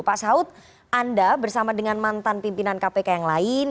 pak saud anda bersama dengan mantan pimpinan kpk yang lain